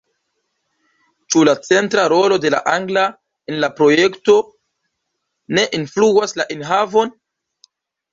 Ĉu la centra rolo de la angla en la projekto ne influas la enhavon?